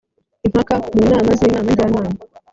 impaka mu nama z inama njyanama